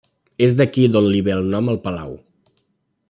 És d'aquí d'on li ve el nom al palau.